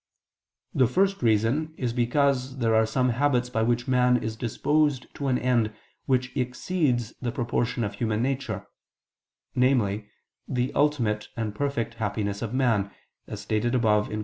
The first reason is because there are some habits by which man is disposed to an end which exceeds the proportion of human nature, namely, the ultimate and perfect happiness of man, as stated above (Q.